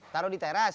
taruh di teras